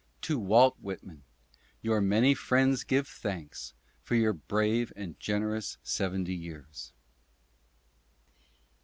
To Walt Whitman — Your many friends give thanks for your brave and generous seventy years.